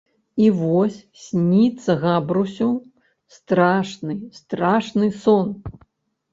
I вось снiцца Габрусю страшны, страшны сон...